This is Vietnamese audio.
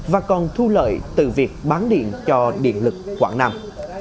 và còn thu lợi từ việc bán điện cho điện lực quảng nam